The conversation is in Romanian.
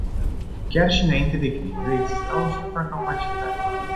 Chiar și înainte de criză exista o supracapacitate.